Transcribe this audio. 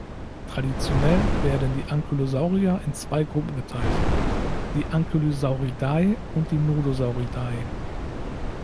Traditionell werden die Ankylosauria in zwei Gruppen geteilt, die Ankylosauridae und die Nodosauridae.